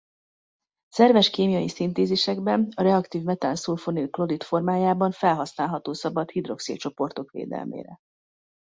Szerves kémiai szintézisekben a reaktív metánszulfonil-klorid formájában felhasználható szabad hidroxilcsoportok védelmére.